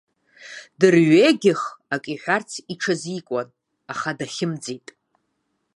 Дырҩегьых акы иҳәарц иҽазикуан, аха дахьымӡеит.